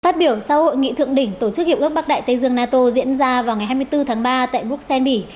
phát biểu sau hội nghị thượng đỉnh tổ chức hiệp ước bắc đại tây dương nato diễn ra vào ngày hai mươi bốn tháng ba tại bruxelles bỉ